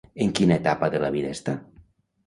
En quina etapa de la vida està?